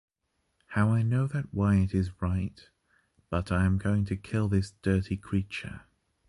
How I know that why it is right. But I am going to kill this dirty creature.